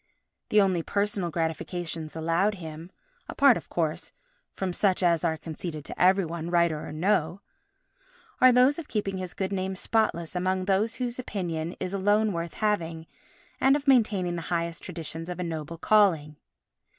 The only personal gratifications allowed him (apart, of course, from such as are conceded to every one, writer or no) are those of keeping his good name spotless among those whose opinion is alone worth having and of maintaining the highest traditions of a noble calling.